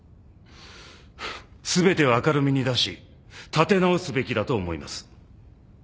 全てを明るみに出し立て直すべきだと思います。